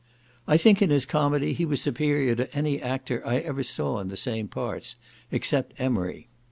I think in his comedy he was superior to any actor I ever saw in the same parts, except Emery.